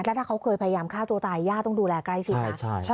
ถ้าเขาเคยพยายามฆ่าตัวตายย่าต้องดูแลใกล้ชิดนะ